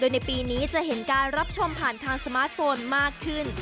ในปีนี้จะเห็นการรับชมผ่านทางสมาร์ทโฟนมากขึ้น